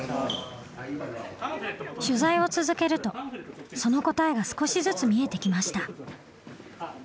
取材を続けるとその答えが少しずつ見えてきました。